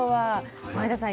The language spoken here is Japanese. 前田さん